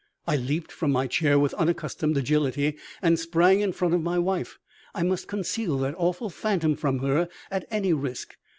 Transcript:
I leaped from my chair with unaccustomed agility and sprang in front of my wife. I must conceal that awful phantom from her, at any risk!